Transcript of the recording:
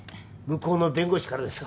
向こうの弁護士からですか？